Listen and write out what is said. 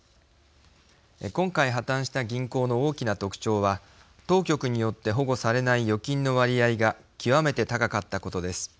今回破綻した銀行の大きな特徴は当局によって保護されない預金の割合が極めて高かったことです。